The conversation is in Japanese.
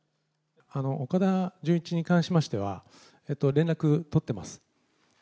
岡田准一に関しましては、連絡取ってます。